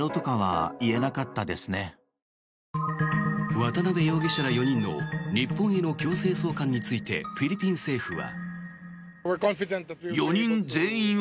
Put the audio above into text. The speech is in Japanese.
渡邉容疑者ら４人の日本への強制送還についてフィリピン政府は。